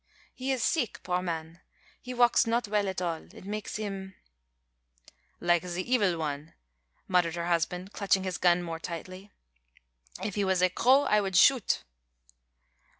He is seeck, poor man. He walks not well at all. It makes him " "Like the evil one," muttered her husband, clutching his gun more tightly; "if he was a crow, I would shoot."